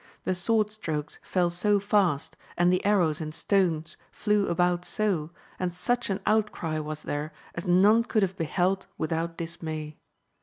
The sword strokes fell so fast, and the arrows and stones flew about so, and such an outcry was there as none could have beheld without dismay.